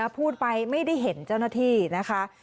พูดไปไม่ได้เห็นเจ้าหน้าที่นะคะ